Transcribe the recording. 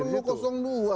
memang perlu kosong dua